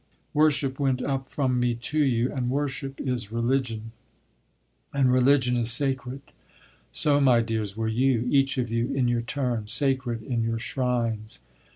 Worship went up from me to you, and worship is religion, and religion is sacred. So, my dears, were you, each of you in your turn, sacred in your shrines.